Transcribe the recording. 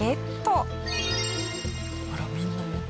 あらみんな持ってる。